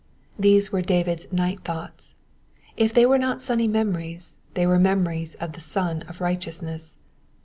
These were David's Night Thoughts. If they were not Sunny Memories they were memories of the Sun of Righteousness.